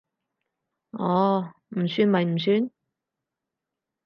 哦，唔算咪唔算